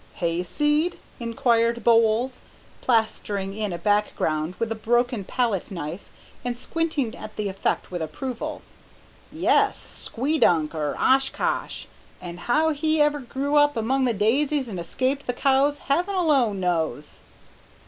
"Hayseed?" inquired Bowles, plastering in a background with a broken palette knife and squinting at the effect with approval. "Yes, Squeedunk or Oshkosh, and how he ever grew up among the daisies and escaped the cows, Heaven alone knows!"